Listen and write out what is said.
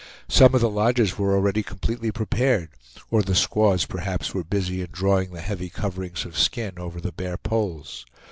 Some of the lodges were already completely prepared, or the squaws perhaps were busy in drawing the heavy coverings of skin over the bare poles.